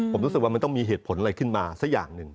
ผมรู้สึกว่ามันต้องมีเหตุผลอะไรขึ้นมาสักอย่างหนึ่ง